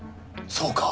そうか。